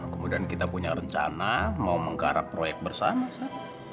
kemudian kita punya rencana mau menggarap proyek bersama sama